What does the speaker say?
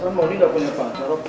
berasal mondi gak punya pacar lo